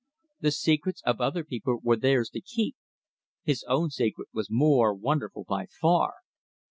The secrets of other people were theirs to keep. His own secret was more wonderful by far.